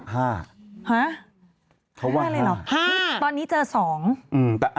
หึ